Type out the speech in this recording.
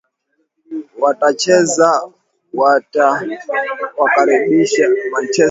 watacheza watawakaribisha manchester city wakati fc ishirini